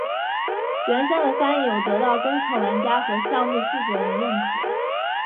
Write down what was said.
原先的翻译有得到公测玩家和项目负责人认可。